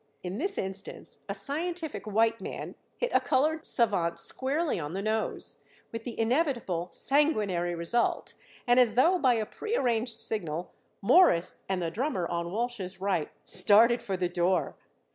In this instance a scientific white man hit a colored savant squarely on the nose, with the inevitable sanguinary result, and as though by a prearranged signal Morris and the drummer on Walsh's right started for the door.